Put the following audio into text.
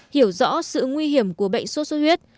hiểu rõ sự nguy hiểm của bệnh sốt xuất huyết